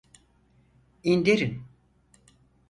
İndirin!